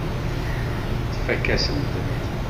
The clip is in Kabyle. Tfakk-asen-tent.